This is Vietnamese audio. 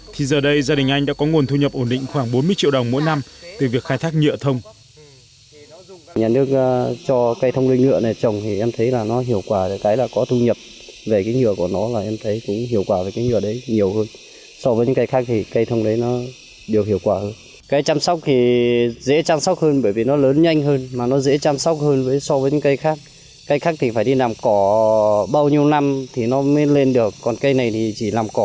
thì giờ đây gia đình anh đã có nguồn thu nhập ổn định khoảng bốn mươi triệu đồng mỗi năm từ việc khai thác nhựa thông